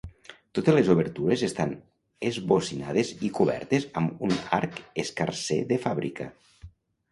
Totes les obertures estan esbocinades i cobertes amb un arc escarser de fàbrica.